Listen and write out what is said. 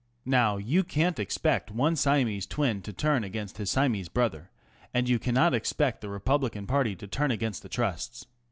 * Now, you can't expect one Siamese twin to turn against his Siamese brother, and you cannot expect the Republican party to turn against the Trusts.